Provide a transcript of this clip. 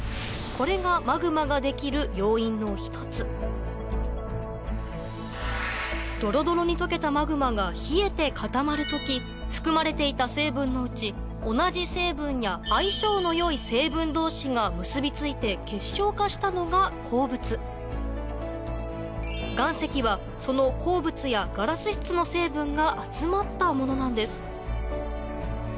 これがマグマが出来る要因の一つドロドロに溶けたマグマが冷えて固まる時含まれていた成分のうち同じ成分や相性の良い成分同士が結びついて結晶化したのが鉱物岩石はその鉱物やガラス質の成分が集まったものなんです